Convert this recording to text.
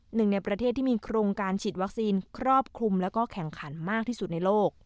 หนึ่งในประเทศที่มีโครงการฉีดวัคซีนครอบคลุมแล้วก็แข่งขันมากที่สุดในโลก